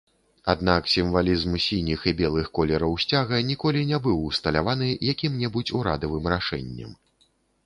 Аднак сімвалізм сініх і белых колераў сцяга ніколі не быў усталяваны якім-небудзь урадавым рашэннем.